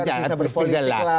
tapi harus bisa berpolitik lah